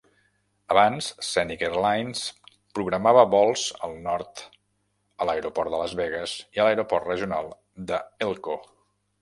Abans Scenic Airlines programava vols al nord a l'aeroport de Las Vegas i a l'aeroport regional de Elko.